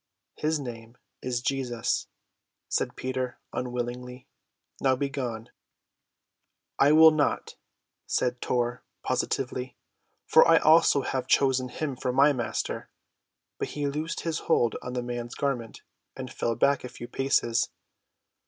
"His name is Jesus," said Peter unwillingly. "Now begone." "I will not," said Tor positively, "for I also have chosen him for my Master." But he loosed his hold on the man's garment and fell back a few paces.